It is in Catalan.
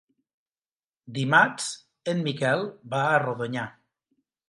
Dimarts en Miquel va a Rodonyà.